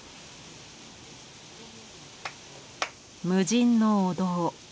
無人のお堂。